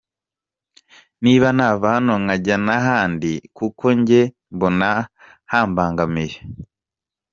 Niba nanava hano nkajya n’ahandi kuko njye mbona hambangamiye.”